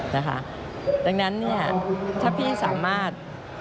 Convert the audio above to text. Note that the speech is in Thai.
ดังนั้นเนี่ยถ้าพี่สามารถ